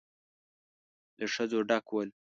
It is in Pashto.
له ښځو ډک ول.